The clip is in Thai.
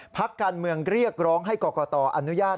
พักการเมืองเรียกร้องให้กรกตอนุญาต